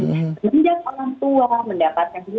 meninjak orang tua mendapatkan dua garis biru